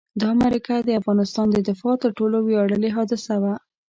دا معرکه د افغانستان د دفاع تر ټولو ویاړلې حادثه وه.